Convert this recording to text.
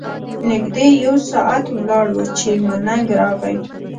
نږدې یو ساعت ولاړ وو چې ملنګ راغی.